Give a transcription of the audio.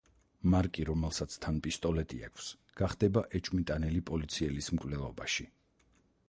მარკი, რომელსაც თან პისტოლეტი აქვს, გახდება ეჭვმიტანილი პოლიციელის მკვლელობაში.